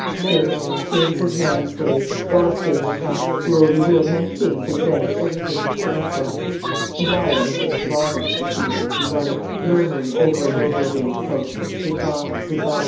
Sir, sir, this is man's day; God's day will come, who will reveal many things and avenge everything." She died on the 6th of August, 1661, murmuring over and over again, "Good by; good by!"